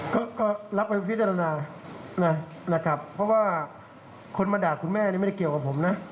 ก็รับไปพิจารณานะครับเพราะว่าคนมาด่าคุณแม่นี่ไม่ได้เกี่ยวกับผมนะ